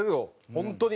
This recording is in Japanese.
本当に。